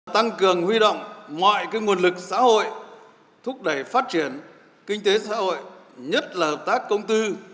tăng cường huy động mọi nguồn lực xã hội thúc đẩy phát triển kinh tế xã hội nhất là hợp tác công tư